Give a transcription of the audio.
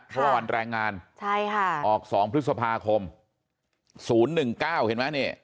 พรรณแรงงานใช่ค่ะออกสองพฤษภาคมศูนย์หนึ่งเก้าเห็นไหมนี่